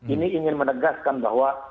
ini ingin menegaskan bahwa